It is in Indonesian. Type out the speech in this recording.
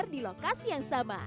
ternyata juga tidak apa apa